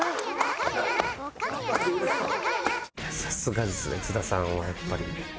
さすがですね津田さんはやっぱり。